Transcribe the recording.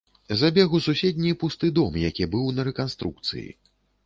Забег у суседні пусты стары дом, які быў на рэканструкцыі.